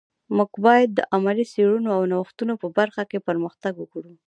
موږ باید د علمي څیړنو او نوښتونو په برخه کی پرمختګ ورکړو